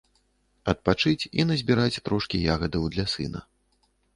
Адпачыць і назбіраць трошкі ягадаў для сына.